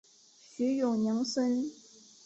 徐永宁孙。